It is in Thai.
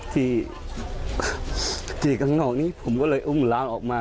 ที่ข้างนอกนี้ผมก็เลยอุ้มล้างออกมา